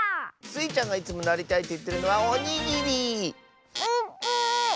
スイちゃんがいつもなりたいといってるのはおにぎり！